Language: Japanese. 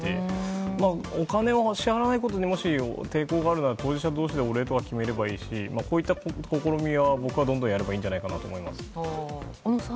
お金を支払わないことに抵抗があるなら当事者同士でお礼し合えばいいしこういった試みは僕はどんどんやればいいんじゃないかと思います。